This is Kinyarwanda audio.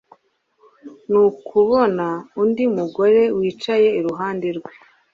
ni ukubona undi mugore wicaye iruhande rwe